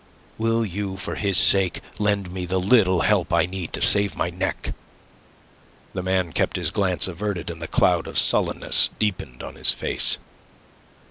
Will you for his sake lend me the little help I need to save my neck?" The man kept his glance averted, and the cloud of sullenness deepened on his face.